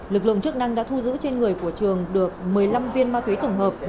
lực lượng chức năng đã thu giữ trên người của trường được một mươi năm viên ma túy tổng hợp